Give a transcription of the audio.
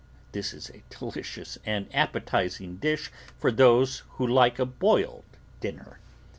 This is a delicious and appetising dish for those who like a boiled dinner.